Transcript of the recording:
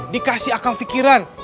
dikasih akal pikiran